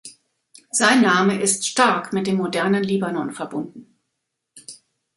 Sein Name ist stark mit dem modernen Libanon verbunden.